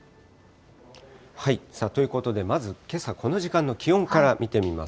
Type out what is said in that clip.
ということで、まず、けさ、この時間の気温から見てみます。